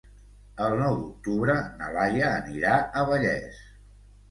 El nou d'octubre na Laia anirà a Vallés.